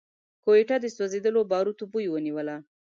کوټه د سوځېدلو باروتو بوی ونيوله.